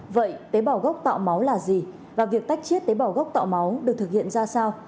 vậy tế bảo gốc tạo máu là gì và việc tách chết tế bảo gốc tạo máu được thực hiện ra sao